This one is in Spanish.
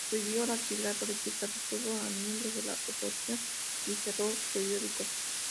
Prohibió la actividad política, detuvo a miembros de la oposición y cerró periódicos.